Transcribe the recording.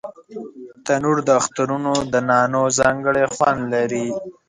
تنور د اخترونو د نانو ځانګړی خوند لري